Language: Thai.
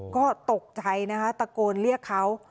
ก็ตกใจนะคะตะโกนเรียกเขา